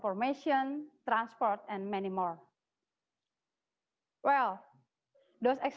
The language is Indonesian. orang yang memiliki penggunaan